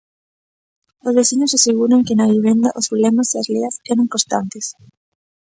Os veciños aseguran que na vivenda os problemas e as leas eran constantes.